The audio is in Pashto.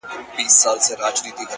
ستا غمونه ستا دردونه زما بدن خوري .